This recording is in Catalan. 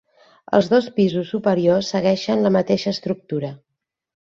Els dos pisos superiors segueixen la mateixa estructura.